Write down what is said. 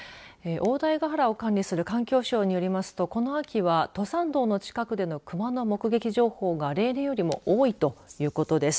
大台ヶ原を管理する環境省によりますとこの秋は、登山道の近くで熊の目撃情報が例年よりも多いということです。